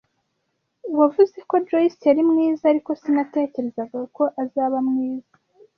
Wavuze ko Joyce yari mwiza, ariko sinatekerezaga ko azaba mwiza.